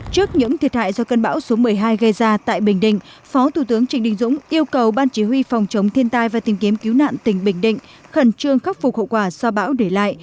trước những thiệt hại do cơn bão số một mươi hai gây ra tại bình định phó thủ tướng trịnh đình dũng yêu cầu ban chỉ huy phòng chống thiên tai và tìm kiếm cứu nạn tỉnh bình định khẩn trương khắc phục hậu quả do bão để lại